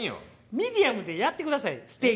ミディアムでやってくださいステーキを。